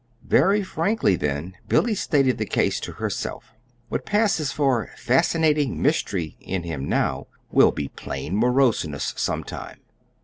Very frankly then Billy stated the case to herself. "What passes for 'fascinating mystery' in him now will be plain moroseness sometime.